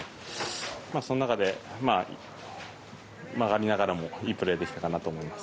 その中で、曲がりながらもいいプレーができたかなと思います。